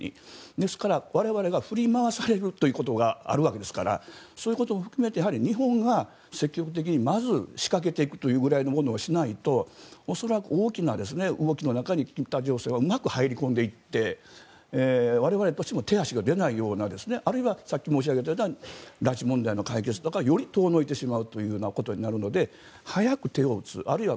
ですから、我々が振り回されることがあるわけですからそういうことも含めて日本が積極的にまず、仕掛けていくぐらいのことをしないと恐らく大きな動きの中に情勢がうまく入り込んでいって我々としても手足が出ないようなあるいはさっき申し上げたような拉致問題の解決がより遠のくことになるので早く手を打つあるいは